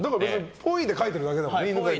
っぽいで書いてるだけだもんね。